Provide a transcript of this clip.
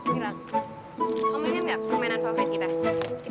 mirang kamu ingat gak permainan favorit kita